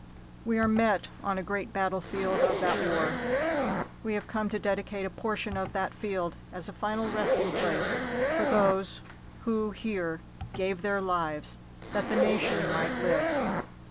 We are met on a great battlefield of that war. We have come to dedicate a portion of that field as a final resting place for those who here gave their lives that the nation might live.